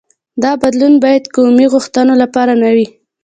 دا بدلون باید قومي غوښتنو لپاره نه وي.